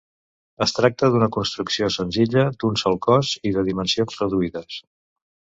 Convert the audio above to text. Es tracta d'una construcció senzilla, d'un sol cos i de dimensions reduïdes.